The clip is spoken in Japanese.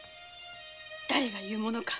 だれが言うものか。